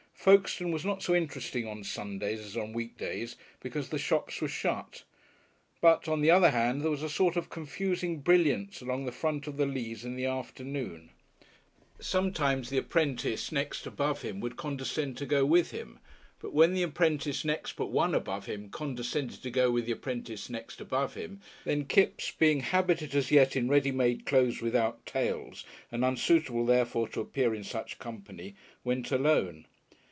Folkestone was not so interesting on Sundays as on week days, because the shops were shut; but on the other hand there was a sort of confusing brilliance along the front of the Leas in the afternoon. Sometimes the apprentice next above him would condescend to go with him; but when the apprentice next but one above him condescended to go with the apprentice next above him, then Kipps, being habited as yet in ready made clothes without tails, and unsuitable therefore to appear in such company, went alone.